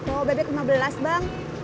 oh bebek lima belas bang